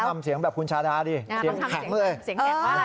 ต้องทำเสียงแบบขูนชาดาเสียงแข็ง